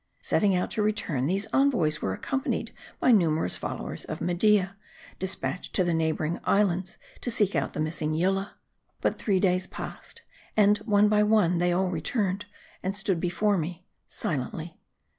Setting out to return, these envoys were accompanied by numerous followers of Media, dispatched to the neighboring islands, to seek out the missing Yillah. But three days passed ; and, one by one, they all returned ; and stood before me silently.